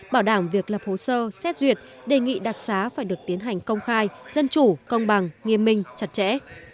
bảo đảm việc lập hồ sơ xét duyệt đề nghị đặc xá phải được tiến hành công khai dân chủ công bằng nghiêm minh chặt chẽ